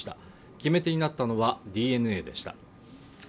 決め手になったのはＤＮＡでした。